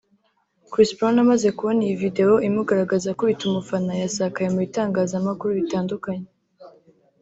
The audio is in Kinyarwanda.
Chris Brown amaze kubona iyi video imugaragaza akubita umufana yasakaye mu bitangazamakuru bitandukanye